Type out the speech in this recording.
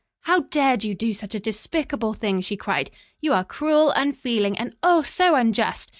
"How dared you do such a despicable thing?" she cried. "You are cruel, unfeeling, and oh, so unjust.